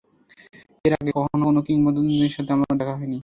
এর আগে কখনও কোনো কিংবদন্তির সাথে আমার দেখা হয়নি।